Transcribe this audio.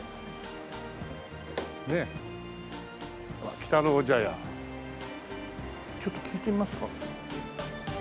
「鬼太郎茶屋」ちょっと聞いてみますか。